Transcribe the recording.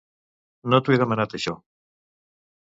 No t'ho he demanat, això.